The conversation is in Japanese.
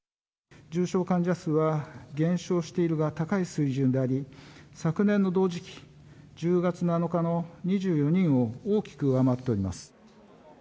重症患者数は減少しているが高い水準であり、昨年の同時期、１０月７日の２４人を大きく上回っております。